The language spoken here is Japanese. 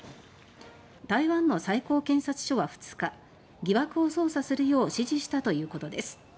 台湾の最高検察署は２日疑惑を捜査するよう指示したということです。